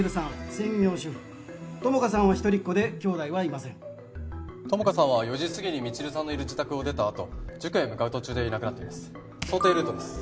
専業主婦友果さんは一人っ子で兄弟はいません友果さんは４時すぎに未知留さんのいる自宅を出たあと塾へ向かう途中でいなくなっています想定ルートです